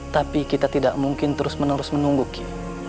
tapi kita tidak mungkin terus menerus menunggu kie